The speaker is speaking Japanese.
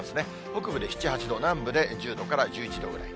北部で７、８度、南部で１０度から１１度ぐらい。